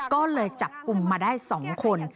ก็เลยจับกลุ่มมาได้๒คน